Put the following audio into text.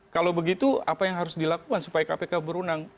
kalau begitu apa yang harus dilakukan supaya kpk berunang